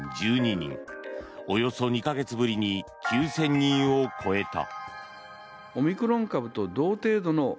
およそ２か月ぶりに９０００人を超えた。